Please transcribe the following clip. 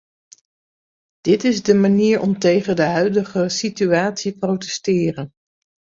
Dit is de manier om tegen de huidige situatie protesteren.